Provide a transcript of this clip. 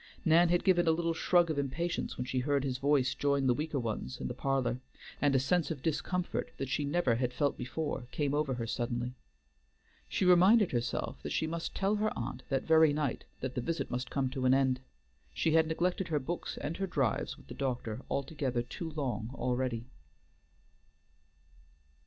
Nan had given a little shrug of impatience when she heard his voice join the weaker ones in the parlor, and a sense of discomfort that she never had felt before came over her suddenly. She reminded herself that she must tell her aunt that very night that the visit must come to an end. She had neglected her books and her drives with the doctor altogether too long already.